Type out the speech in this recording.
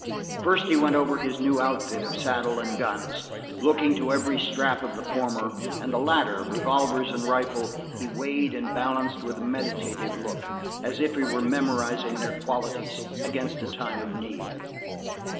First he went over his new outfit of saddle and guns, looking to every strap of the former, and the latter, revolvers and rifle, he weighed and balanced with a meditative look, as if he were memorizing their qualities against a time of need.